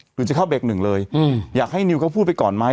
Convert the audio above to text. หรือจะเข้าเบรกหนึ่งเลยอยากให้นิวเขาพูดไปก่อนไหม